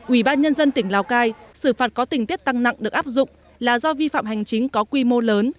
ubnd tỉnh lào cai xử phạt có tình tiết tăng nặng được áp dụng là do vi phạm hành chính có quy mô lớn